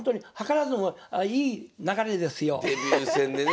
デビュー戦でね。